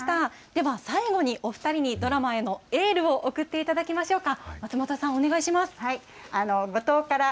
では、最後にお２人にドラマへのエールを送っていただきましょうか。